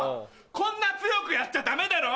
こんな強くやっちゃダメだろ？